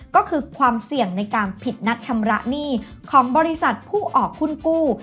ก็คือความเสี่ยงในการผิดนัดชำระหนี้ของบริษัทผู้ออกหุ้นกู้